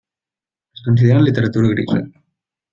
Es consideren literatura grisa.